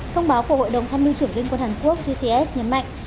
thông báo của hội đồng tham mưu trưởng liên quân hàn quốc gcs nhấn mạnh